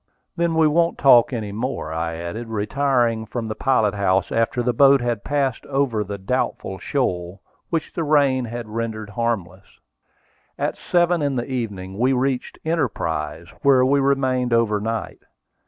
"Then we won't talk any more," I added, retiring from the pilot house after the boat had passed over the doubtful shoal, which the rain had rendered harmless. At seven in the evening we reached Enterprise, where we remained overnight.